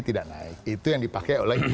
tidak naik itu yang dipakai oleh